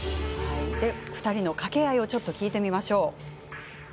２人の掛け合いをちょっと聞いてみましょう。